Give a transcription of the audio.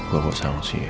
gue kok sangsi ya